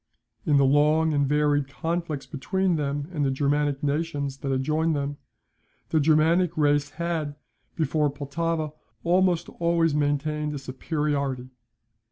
In the long and varied conflicts between them and the Germanic nations that adjoin them, the Germanic race had, before Pultowa, almost always maintained a superiority.